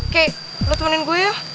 kayak lu temenin gua yuk